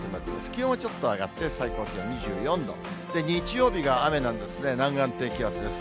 気温はちょっと上がって、最高気温２４度、日曜日が雨なんですね、南岸低気圧です。